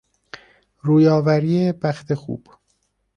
روی آوری بخت خوب